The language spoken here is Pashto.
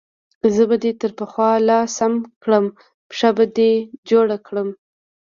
زه به دې تر پخوا لا سم کړم، پښه به دې جوړه کړم.